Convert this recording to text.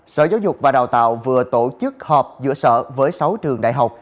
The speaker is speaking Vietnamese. sở giáo dục và đào tạo vừa tổ chức họp giữa sở với sáu trường đại học